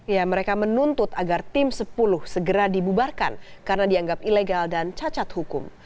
ya mereka menuntut agar tim sepuluh segera dibubarkan karena dianggap ilegal dan cacat hukum